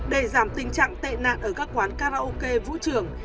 để giảm tình trạng tệ nạn ở các quán karaoke vũ trường